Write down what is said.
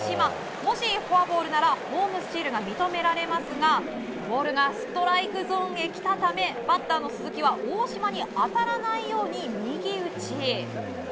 もしフォアボールならホームスチールが認められますがボールがストライクゾーンへ来たためバッターの鈴木は大島に当たらないように右打ち。